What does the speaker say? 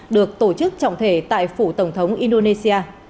được tổ chức trọng thể tại phủ tổng thống indonesia